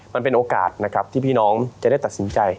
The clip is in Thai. มันเป็นโอกาสนะครับที่พี่น้องจะได้ตัดสินใจ